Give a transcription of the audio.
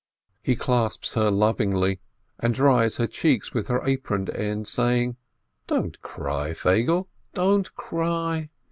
He clasps her lovingly, and dries her cheeks with her apron end, saying: "Don't cry, Feigele, don't cry.